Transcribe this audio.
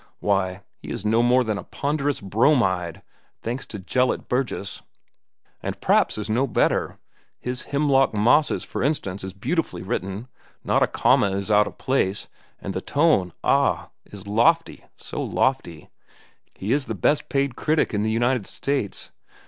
Why, he is no more than a ponderous bromide, thanks to Gelett Burgess. And Praps is no better. His 'Hemlock Mosses,' for instance is beautifully written. Not a comma is out of place; and the tone—ah!—is lofty, so lofty. He is the best paid critic in the United States.